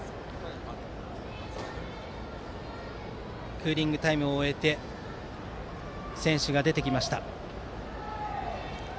クーリングタイムを終えて選手が出てきました。